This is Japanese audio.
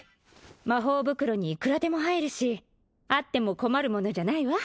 魔法袋にいくらでも入るしあっても困るものじゃないわ